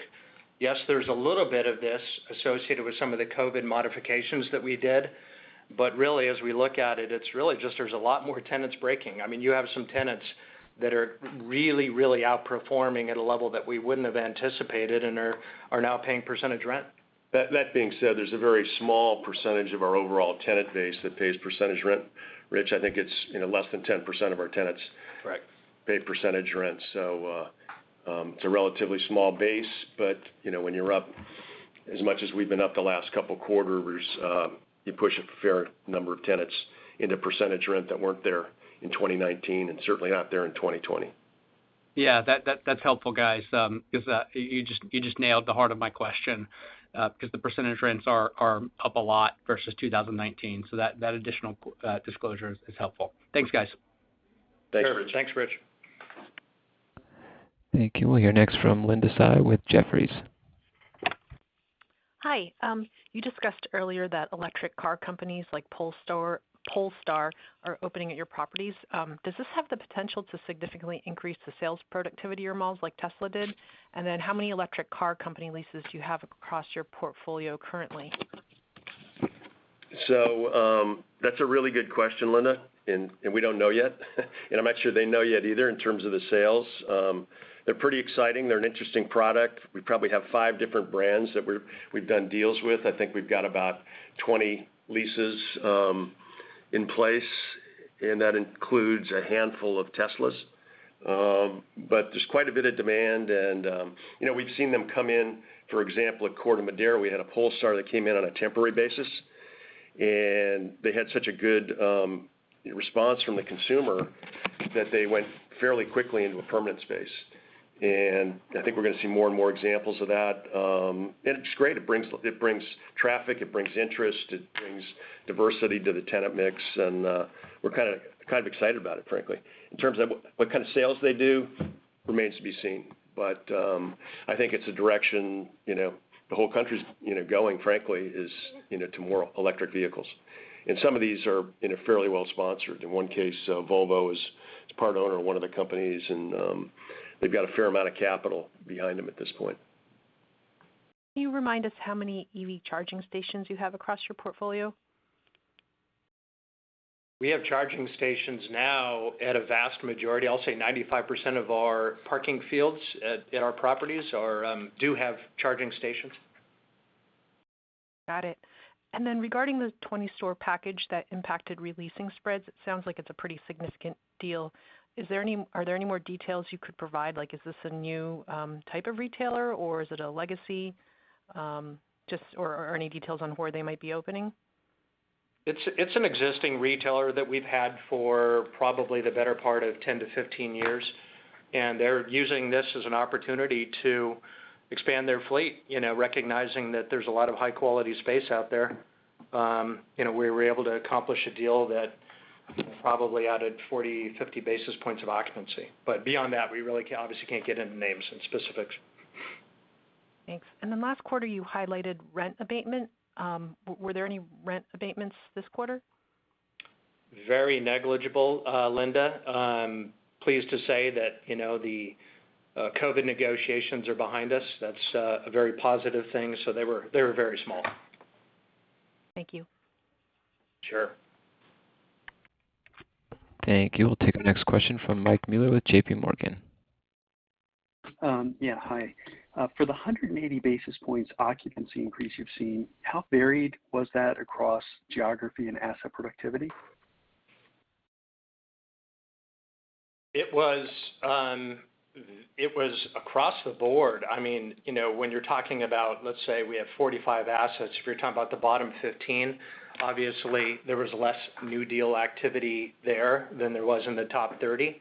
Yes, there's a little bit of this associated with some of the COVID modifications that we did. Really, as we look at it's really just there's a lot more tenants breaking. I mean, you have some tenants that are really, really outperforming at a level that we wouldn't have anticipated and are now paying percentage rent. That being said, there's a very small percentage of our overall tenant base that pays percentage rent. Rich, I think it's, you know, less than 10% of our tenants pay percentage rent. It's a relatively small base, but you know, when you're up as much as we've been up the last couple of quarters, you push a fair number of tenants into percentage rent that weren't there in 2019 and certainly not there in 2020. Yeah, that's helpful, guys, because you just nailed the heart of my question, because the percentage rents are up a lot versus 2019. That additional disclosure is helpful. Thanks, guys. Thanks. Sure. Thanks, Rich. Thank you. We'll hear next from Linda Tsai with Jefferies. Hi. You discussed earlier that electric car companies like Polestar are opening at your properties. Does this have the potential to significantly increase the sales productivity your malls like Tesla did? How many electric car company leases do you have across your portfolio currently? That's a really good question, Linda, and we don't know yet. I'm not sure they know yet either in terms of the sales. They're pretty exciting. They're an interesting product. We probably have five different brands that we've done deals with. I think we've got about 20 leases in place, and that includes a handful of Teslas. But there's quite a bit of demand and, you know, we've seen them come in, for example, at Corte Madera, we had a Polestar that came in on a temporary basis, and they had such a good response from the consumer that they went fairly quickly into a permanent space. I think we're gonna see more and more examples of that. It's great. It brings traffic, it brings interest, it brings diversity to the tenant mix, and we're kind of excited about it, frankly. In terms of what kind of sales they do remains to be seen. I think it's a direction, you know, the whole country's, you know, going, frankly, is, you know, to more electric vehicles. Some of these are, you know, fairly well sponsored. In one case, Volvo is part owner of one of the companies, and they've got a fair amount of capital behind them at this point. Can you remind us how many EV charging stations you have across your portfolio? We have charging stations now at a vast majority. I'll say 95% of our parking fields at our properties do have charging stations. Got it. Then regarding the 20-store package that impacted re-leasing spreads, it sounds like it's a pretty significant deal. Are there any more details you could provide? Like, is this a new type of retailer, or is it a legacy just, or are any details on where they might be opening? It's an existing retailer that we've had for probably the better part of 10-15 years, and they're using this as an opportunity to expand their fleet, you know, recognizing that there's a lot of high-quality space out there. You know, we were able to accomplish a deal that probably added 40-50 basis points of occupancy. Beyond that, we really obviously can't get into names and specifics. Thanks. Last quarter, you highlighted rent abatement. Were there any rent abatements this quarter? Very negligible, Linda. I'm pleased to say that COVID negotiations are behind us. That's a very positive thing. They were very small. Thank you. Sure. Thank you. We'll take the next question from Mike Mueller with JPMorgan. Yeah, hi. For the 180 basis points occupancy increase you've seen, how varied was that across geography and asset productivity? It was across the board. I mean, you know, when you're talking about, let's say, we have 45 assets. If you're talking about the bottom 15, obviously there was less new deal activity there than there was in the top 30.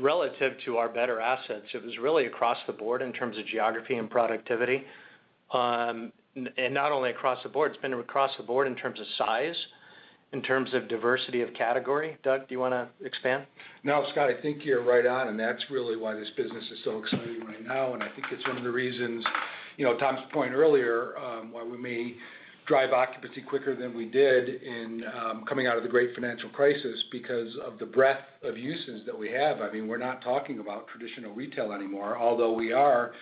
Relative to our better assets, it was really across the board in terms of geography and productivity. Not only across the board, it's been across the board in terms of size, in terms of diversity of category. Doug, do you wanna expand? No, Scott, I think you're right on, and that's really why this business is so exciting right now. I think it's one of the reasons, you know, Tom's point earlier, why we may drive occupancy quicker than we did in, coming out of the great financial crisis because of the breadth of uses that we have. I mean, we're not talking about traditional retail anymore, although we are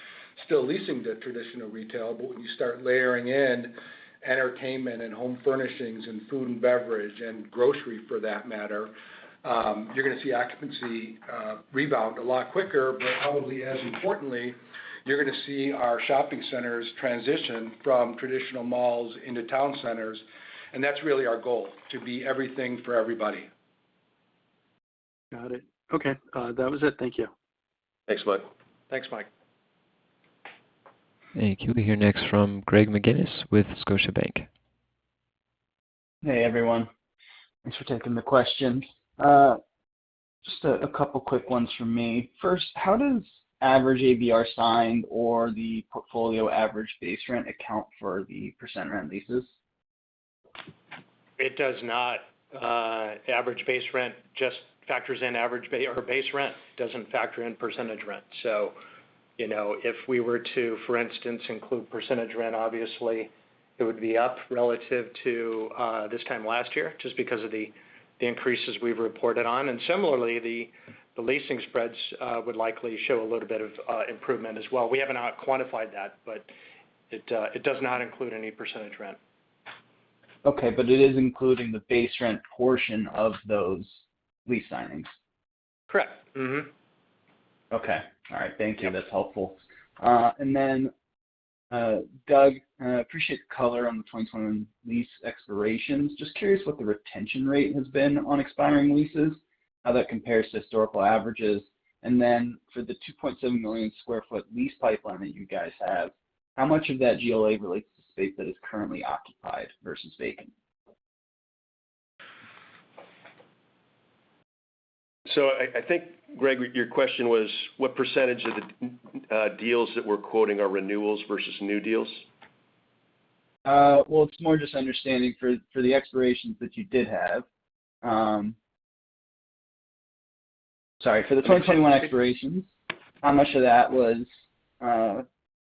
still leasing to traditional retail. When you start layering in entertainment and home furnishings and food and beverage and grocery for that matter, you're gonna see occupancy, rebound a lot quicker. Probably as importantly, you're gonna see our shopping centers transition from traditional malls into town centers, and that's really our goal, to be everything for everybody. Got it. Okay. That was it. Thank you. Thanks, Mike. Thanks, Mike. Thank you. We hear next from Greg McGinniss with Scotiabank. Hey, everyone. Thanks for taking the questions. Just a couple quick ones from me. First, how does average ABR signed or the portfolio average base rent account for the percent rent leases? It does not. Average base rent just factors in average base rent. It doesn't factor in percentage rent. You know, if we were to, for instance, include percentage rent obviously, it would be up relative to this time last year just because of the increases we've reported on. Similarly, the leasing spreads would likely show a little bit of improvement as well. We have not quantified that, but it does not include any percentage rent. Okay, it is including the base rent portion of those lease signings? Correct. Okay. All right. Thank you. That's helpful. Doug, I appreciate the color on the 2021 lease expirations. Just curious what the retention rate has been on expiring leases, how that compares to historical averages. For the 2.7 million sq ft lease pipeline that you guys have, how much of that GLA relates to space that is currently occupied versus vacant? I think, Greg, your question was what percentage of the deals that we're quoting are renewals versus new deals? Well, it's more just understanding for the expirations that you did have. For the 2021 expirations, how much of that was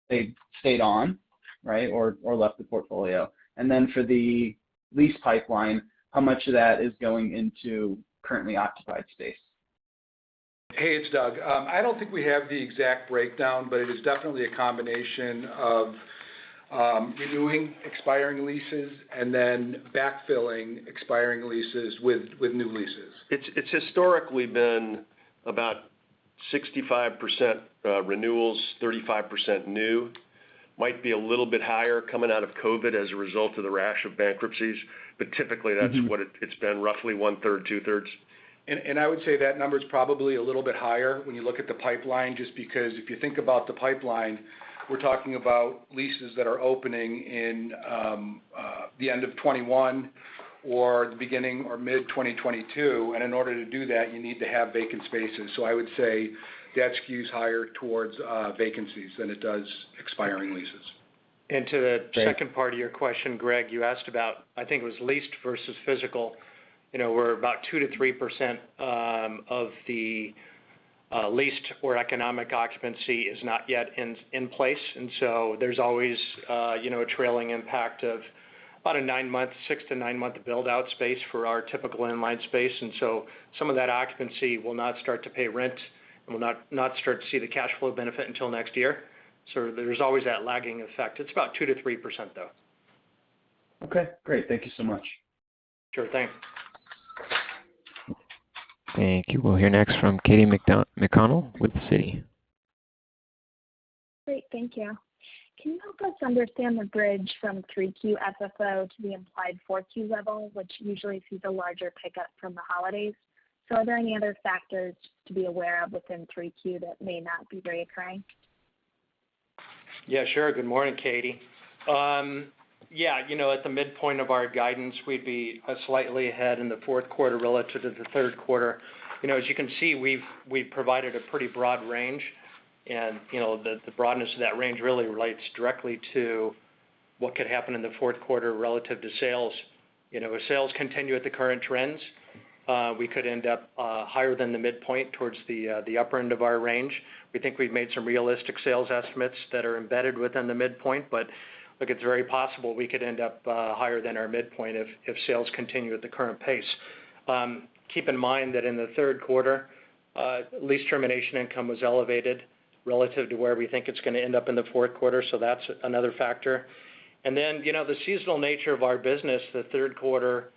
they stayed on, right, or left the portfolio? For the lease pipeline, how much of that is going into currently occupied space? Hey, it's Doug. I don't think we have the exact breakdown, but it is definitely a combination of renewing expiring leases and then backfilling expiring leases with new leases. It's historically been about 65% renewals, 35% new. Might be a little bit higher coming out of COVID as a result of the rash of bankruptcies, but typically, that's what it's been roughly one third, two thirds. I would say that number is probably a little bit higher when you look at the pipeline, just because if you think about the pipeline, we're talking about leases that are opening in the end of 2021 or the beginning or mid-2022. In order to do that, you need to have vacant spaces. I would say that skews higher towards vacancies than it does expiring leases. To the second part of your question, Greg, you asked about, I think it was leased versus physical. You know, we're about 2%-3% of the leased or economic occupancy is not yet in place. So there's always, you know, a trailing impact of about a nine-month, six- to nine-month build-out space for our typical inline space. So some of that occupancy will not start to pay rent and will not start to see the cash flow benefit until next year. There's always that lagging effect. It's about 2%-3%, though. Okay, great. Thank you so much. Sure thing. Thank you. We'll hear next from Katy McConnell with Citi. Great. Thank you. Can you help us understand the bridge from 3Q FFO to the implied 4Q level, which usually sees a larger pickup from the holidays? Are there any other factors to be aware of within 3Q that may not be recurring? Yeah, sure. Good morning, Katy. Yeah, you know, at the midpoint of our guidance, we'd be slightly ahead in the fourth quarter relative to the third quarter. You know, as you can see, we've provided a pretty broad range, and you know, the broadness of that range really relates directly to what could happen in the fourth quarter relative to sales. You know, if sales continue at the current trends, we could end up higher than the midpoint towards the upper end of our range. We think we've made some realistic sales estimates that are embedded within the midpoint, but look, it's very possible we could end up higher than our midpoint if sales continue at the current pace. Keep in mind that in the third quarter, lease termination income was elevated relative to where we think it's gonna end up in the fourth quarter, so that's another factor. You know, the seasonal nature of our business, the third quarter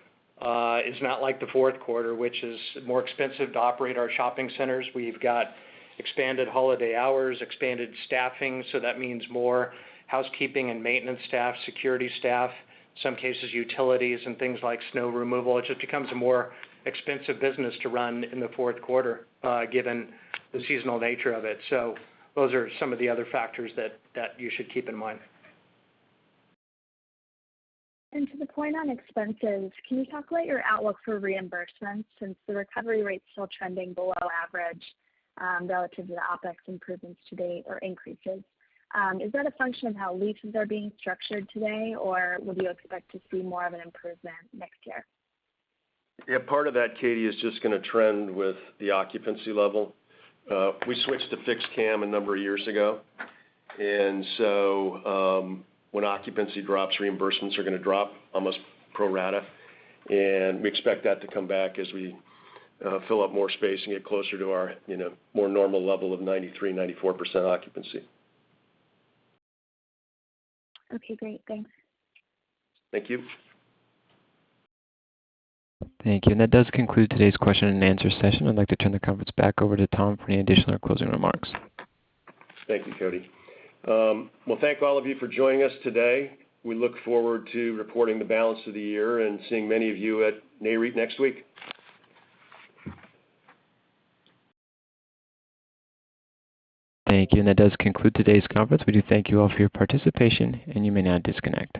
is not like the fourth quarter, which is more expensive to operate our shopping centers. We've got expanded holiday hours, expanded staffing, so that means more housekeeping and maintenance staff, security staff, some cases, utilities and things like snow removal. It just becomes a more expensive business to run in the fourth quarter, given the seasonal nature of it. Those are some of the other factors that you should keep in mind. To the point on expenses, can you talk about your outlook for reimbursements since the recovery rate's still trending below average, relative to the OpEx improvements to date or increases? Is that a function of how leases are being structured today, or would you expect to see more of an improvement next year? Yeah, part of that, Katy, is just gonna trend with the occupancy level. We switched to fixed CAM a number of years ago. When occupancy drops, reimbursements are gonna drop almost pro rata. We expect that to come back as we fill up more space and get closer to our, you know, more normal level of 93%-94% occupancy. Okay, great. Thanks. Thank you. Thank you. That does conclude today's question-and-answer session. I'd like to turn the conference back over to Tom for any additional or closing remarks. Thank you, Cody. Well, thank all of you for joining us today. We look forward to reporting the balance of the year and seeing many of you at Nareit next week. Thank you. That does conclude today's conference. We do thank you all for your participation, and you may now disconnect.